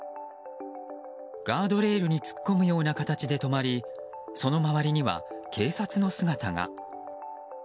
ガードレールに突っ込むような形で止まりその周りには警察の姿が。